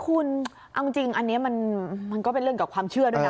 คุณเอาจริงอันนี้มันก็เป็นเรื่องกับความเชื่อด้วยนะ